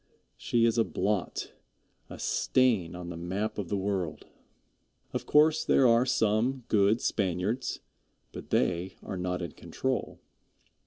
She is a blot, a stain on the map of the world. Of course there are some good Spaniards, but they are not in control.